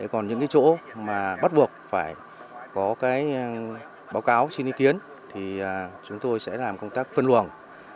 còn những chỗ mà bắt buộc phải có báo cáo suy nghĩ kiến thì chúng tôi sẽ làm công tác phân luồng